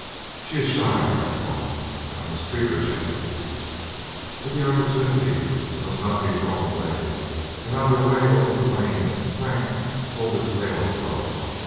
"She is shy," Frank thought, "and I must treat her gently." But the opportunity must not be thrown away, and on their way over the plains Frank told his tale of love.